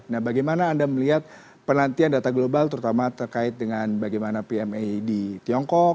nah bagaimana anda melihat penantian data global terutama terkait dengan bagaimana pma di tiongkok